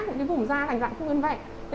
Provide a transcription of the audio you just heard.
của những vùng da thành dạng khuôn vẹn